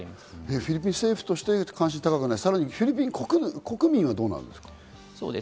フィリピン政府として関心が高くない、フィリピン国民はどうですか？